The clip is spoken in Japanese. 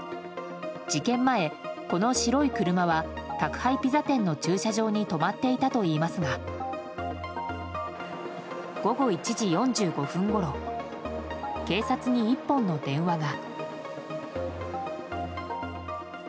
事件前、この白い車は宅配ピザ店の駐車場に止まっていたといいますが午後１時４５分ごろ警察に１本の電話が。